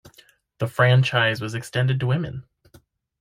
The franchise was extended to women.